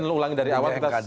kita mungkin ulangi dari awal